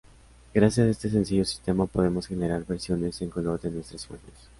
Gracias a este sencillo sistema podemos generar versiones en color de nuestras imágenes.